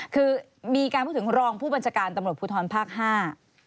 คือมีการพูดถึงรองผู้บัญชาการตำรวจภูทรภาคห้า